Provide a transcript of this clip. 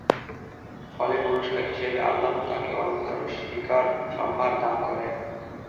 ফলে পুরস্কার হিসেবে আল্লাহ তাকে অলংকার ও শিকার সম্ভার দান করেন।